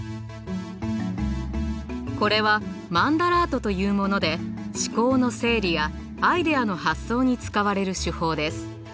これはマンダラートというもので思考の整理やアイデアの発想に使われる手法です。